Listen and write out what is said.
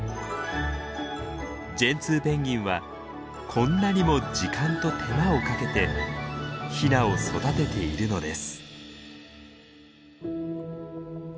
ジェンツーペンギンはこんなにも時間と手間をかけてヒナを育てているのです。